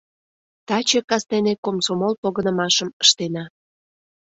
— Таче кастене комсомол погынымашым ыштена.